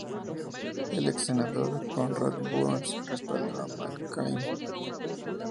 El ex senador Conrad Burns respaldó a McCain.